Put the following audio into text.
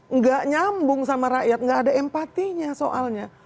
enggak nyambung sama rakyat enggak ada empatinya soalnya